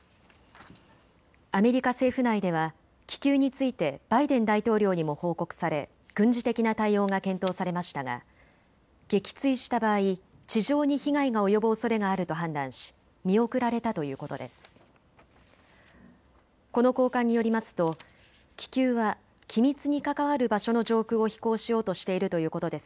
アメリカ政府内では気球についてバイデン大統領にも報告され軍事的な対応が検討されましたが撃墜した場合、地上に被害が及ぶおそれがあると判断し見送られたということです。